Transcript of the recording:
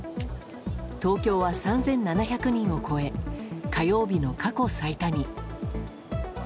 東京は３７００人を超え火曜日の過去最多に。